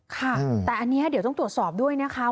ค่ะแต่อันนี้เดี๋ยวต้องตรวจสอบด้วยนะคะ